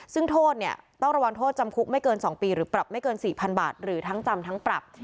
ซึ่งโทษเนี่ยต้องระวังโทษจำคุกไม่เกิน๒ปีหรือปรับไม่เกิน๔๐๐๐บาทหรือทั้งจำทั้งปรับ